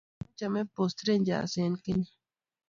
Mamiten chito ne chame Post rangers en Kenya